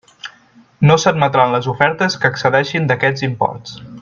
No s'admetran les ofertes que excedeixin d'aquests imports.